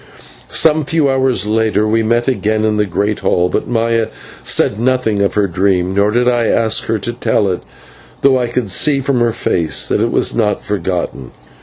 Some few hours later we met again in the great hall, but Maya said nothing of her dream, nor did I ask her to tell it, though I could see from her face that it was not forgotten.